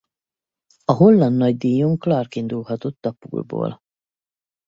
A holland nagydíjon Clark indulhatott a pole-ból.